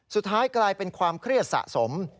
สุดท้ายกลายเป็นความเครียดสะสม